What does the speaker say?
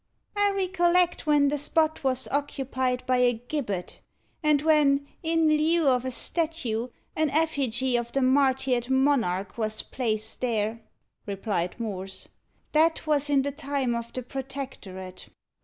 "I recollect when the spot was occupied by a gibbet, and when, in lieu of a statue, an effigy of the martyred monarch was placed there," replied Morse. "That was in the time of the Protectorate."